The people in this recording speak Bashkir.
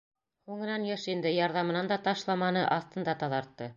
Һуңынан йыш инде, ярҙамынан да ташламаны, аҫтын да таҙартты.